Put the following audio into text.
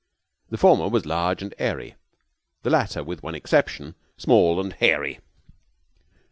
The former was large and airy, the latter, with one exception, small and hairy.